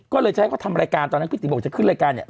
ก็เลยจะให้เขาทำรายการตอนนั้นพี่ตีบอกจะขึ้นรายการเนี่ย